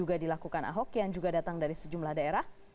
juga dilakukan ahok yang juga datang dari sejumlah daerah